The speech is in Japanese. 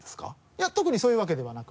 いや特にそういうわけではなく。